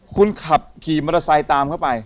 คุณขับขี่มอเตอร์ไซค์ตามเข้าไป